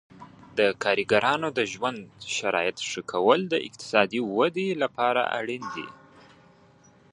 د کارګرانو د ژوند شرایطو ښه کول د اقتصادي ودې لپاره اړین دي.